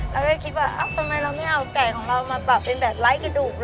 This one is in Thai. เราก็คิดว่าทำไมเราไม่เอาไก่ของเรามาปรับเป็นแบบไร้กระดูก